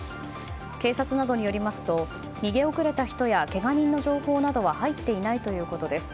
警察などによりますと逃げ遅れた人やけが人の情報は入っていないということです。